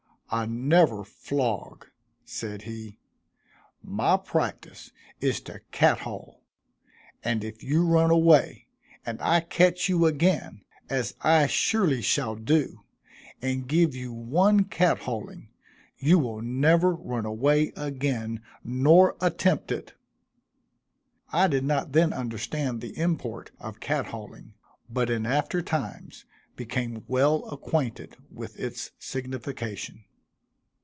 "I never flog," said he, "my practice is to cat haul; and if you run away, and I catch you again as I surely shall do and give you one cat hauling, you will never run away again, nor attempt it." I did not then understand the import of cat hauling, but in after times, became well acquainted with its signification.